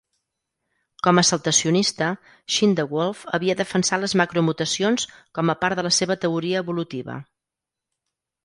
Com a saltacionista, Schindewolf havia defensat les macromutacions com a part de la seva teoria evolutiva.